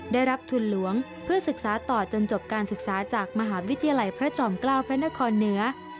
ได้รับทุนหลวงเพื่อศึกษาต่อจนจบการศึกษาจากมหาวิทยาลัยพระจอมเกล้าพระนครเหนือ